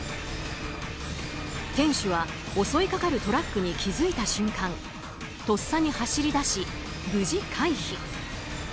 店主は、襲いかかるトラックに気付いた瞬間とっさに走り出し、無事回避。